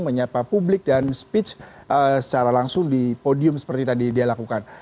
menyapa publik dan speech secara langsung di podium seperti tadi dia lakukan